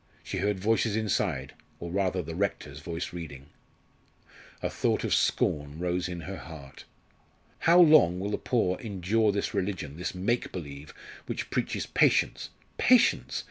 She heard voices inside or rather the rector's voice reading. A thought of scorn rose in her heart. "How long will the poor endure this religion this make believe which preaches patience, patience!